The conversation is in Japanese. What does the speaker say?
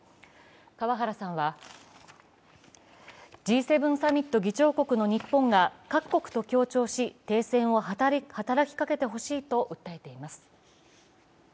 川原さんは、Ｇ７サミット議長国の日本が各国と協調し停戦を働きかけてほしいと訴えています。